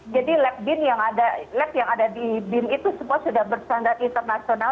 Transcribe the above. jadi lab yang ada di bin itu semua sudah bersandar internasional